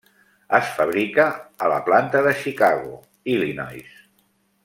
Es fabrica a la planta de Chicago, Illinois.